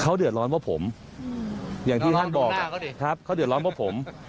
เขาเดือดร้อนว่าผมอย่างที่ท่านบอกครับเขาเดือดร้อนเพราะผม